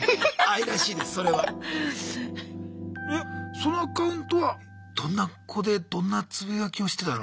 そのアカウントはどんな子でどんなつぶやきをしてたの？